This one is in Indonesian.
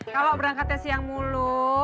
kalau berangkatnya siang mulu